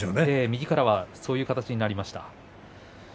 右からはそういう形になりました。